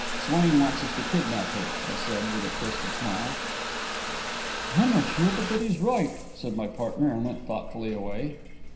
"Swain wants us to kidnap her," I said, with a twisted smile. "I'm not sure but that he's right," said my partner, and went thoughtfully away.